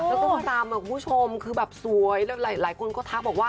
แล้วก็มาตำคุณผู้ชมคือแบบสวยแล้วหลายคนก็ทักบอกว่า